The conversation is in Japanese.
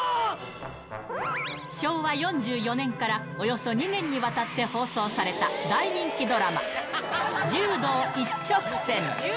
昭和４４年からおよそ２年にわたって放送された大人気ドラマ、柔道一直線。